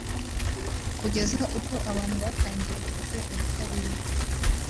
kugeza ubwo abantu batangiye kurya ibitaribwa